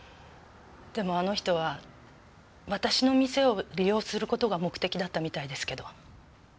でもあの人は私の店を利用する事が目的だったみたいですけど。